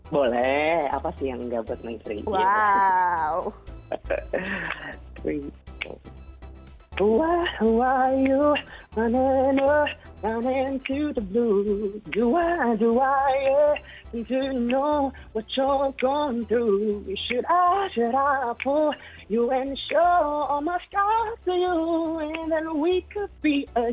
boleh apa sih yang nggak buat nyanyi sering